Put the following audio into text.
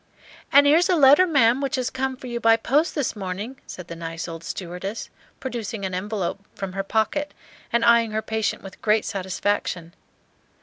"And 'ere's a letter, ma'am, which has come for you by post this morning," said the nice old stewardess, producing an envelope from her pocket, and eying her patient with great satisfaction.